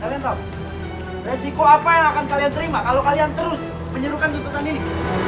kalian tahu resiko apa yang akan kalian terima kalau kalian terus menyeluruhkan tuntutan ini